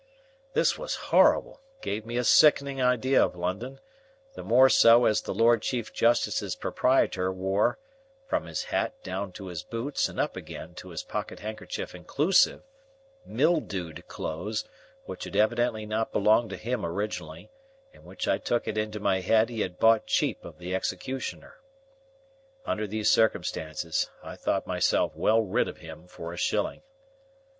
This was horrible, and gave me a sickening idea of London; the more so as the Lord Chief Justice's proprietor wore (from his hat down to his boots and up again to his pocket handkerchief inclusive) mildewed clothes which had evidently not belonged to him originally, and which I took it into my head he had bought cheap of the executioner. Under these circumstances I thought myself well rid of him for a shilling.